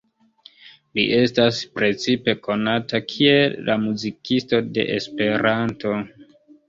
Li estas precipe konata kiel „la muzikisto de Esperanto“.